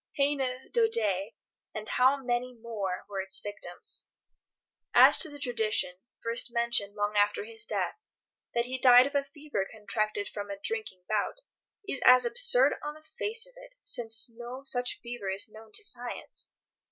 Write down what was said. Heine, Daudet, and how many more, were its victims. As to the tradition, first mentioned long after his death, that he died of a fever contracted from a drinking bout, it is absurd on the face of it, since no such fever is known to science.